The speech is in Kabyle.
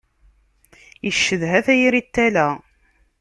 Icedha tayri n tala.